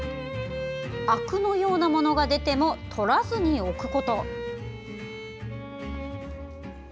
あくのようなものが出ても取らずにおくこと。